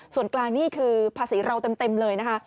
ส่วนกลางนี่คือภาษีเราเต็มเลยนะคะ